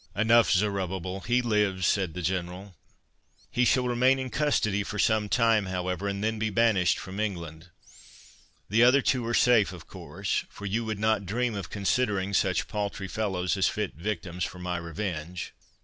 "Enough Zerubbabel; he lives," said the General. "He shall remain in custody for some time, however, and be then banished from England. The other two are safe, of course; for you would not dream of considering such paltry fellows as fit victims for my revenge."